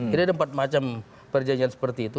jadi ada empat macam perjanjian seperti itu